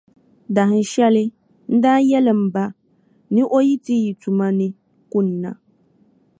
Dahinshɛli, n daa yɛli m ba, ni o yi ti yi tuma ni kunna,